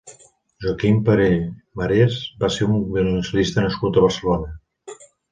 Joaquim Pere Marés va ser un violoncel·lista nascut a Barcelona.